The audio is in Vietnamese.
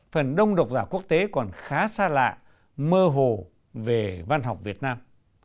phần đông độc giả quốc tế còn khá xa lạ mơ hồ về văn học việt nam